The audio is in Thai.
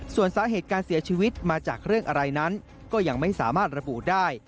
ส่วนสาเหตุการเสียชีวิตมาจากเรื่องอะไรนั้นก็ยังไม่สามารถระบุได้